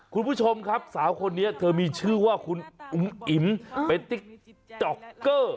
คุณผู้ชมครับสาวคนนี้เธอมีชื่อว่าคุณอุ๋มอิ๋มเป็นติ๊กจ๊อกเกอร์